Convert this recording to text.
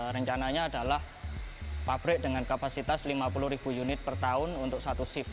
rencananya adalah pabrik dengan kapasitas lima puluh ribu unit per tahun untuk satu shift